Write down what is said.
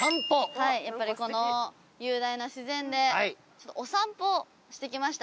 はいやっぱりこの雄大な自然でお散歩してきました。